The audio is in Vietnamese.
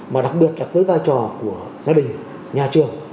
mà đặc biệt là với vai trò của gia đình nhà trường